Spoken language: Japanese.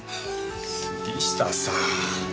杉下さん。